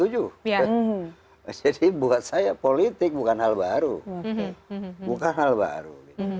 jadi buat saya politik bukan hal baru bukan hal baru